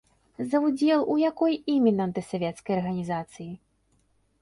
За ўдзел у якой іменна антысавецкай арганізацыі?